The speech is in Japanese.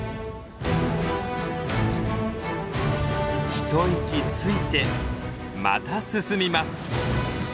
一息ついてまた進みます。